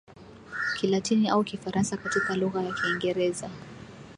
Kilatini au Kifaransa katika lugha ya Kiingereza